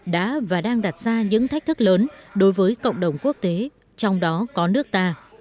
đã và đang đặt ra những thách thức lớn đối với cộng đồng quốc tế trong đó có nước ta